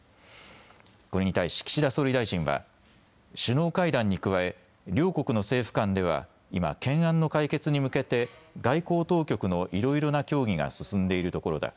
これに対し岸田総理大臣は首脳会談に加え両国の政府間では今、懸案の解決に向けて外交当局のいろいろな協議が進んでいるところだ。